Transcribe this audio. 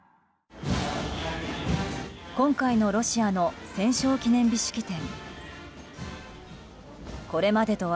今回のロシアの戦勝記念日式典。